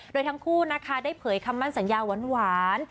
โดยทั้งคู่นะคะได้เผยคำมั่นสัญญาหวาน